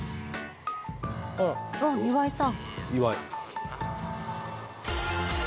・あっ岩井さん